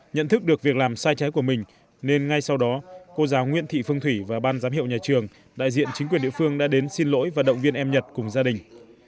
nhận thức được việc làm sai trái của mình nên ngay sau đó cô giáo nguyễn thị phương thủy và ban giám hiệu nhà trường đại diện chính quyền địa phương đã đến xin lỗi và động viên em nhật cùng gia đình